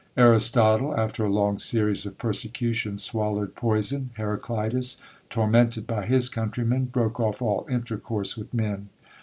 Aristotle, after a long series of persecution, swallowed poison. Heraclitus, tormented by his countrymen, broke off all intercourse with men.